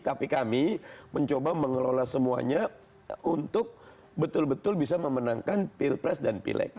tapi kami mencoba mengelola semuanya untuk betul betul bisa memenangkan pilpres dan pileg